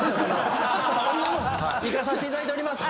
もう生かさせていただいております。